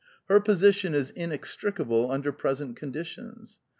Her position is inextricable under present conditions.